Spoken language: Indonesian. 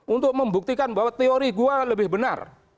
untuk membuktikan bahwa teori gue lebih benar